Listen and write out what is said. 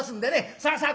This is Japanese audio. さあさあ